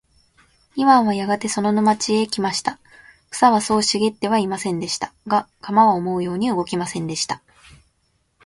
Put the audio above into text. イワンはやがてその沼地へ来ました。草はそう茂ってはいませんでした。が、鎌は思うように動きませんでした。